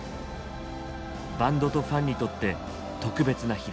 バンドとファンにとって特別な日だ。